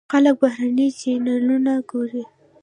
خلک بهرني چینلونه ګوري.